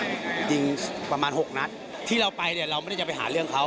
ยิงประมาณหกนัดที่เราไปเนี่ยเราไม่ได้จะไปหาเรื่องเขา